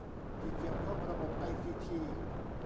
ที่เกี่ยวข้องระบบไอซีที